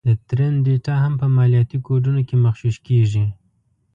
د ټرینډ ډېټا هم په مالياتي کوډونو کې مغشوش کېږي